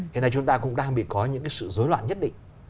thế này chúng ta cũng đang bị có những cái sự rối loạn nhất định